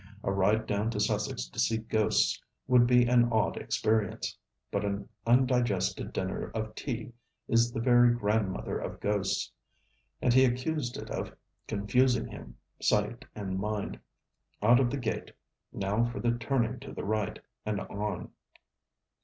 A ride down to Sussex to see ghosts would be an odd experience; but an undigested dinner of tea is the very grandmother of ghosts; and he accused it of confusing him, sight and mind. Out of the gate, now for the turning to the right, and on.